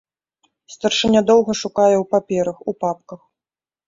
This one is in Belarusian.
Старшыня доўга шукае ў паперах, у папках.